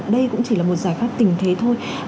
đây cũng chỉ là một giải pháp tình thế thôi